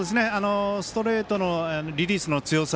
ストレートのリリースの強さ。